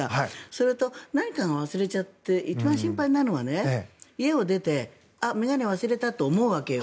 すると、何かを忘れちゃって一番心配なのは家を出て眼鏡を忘れたって思うわけよ。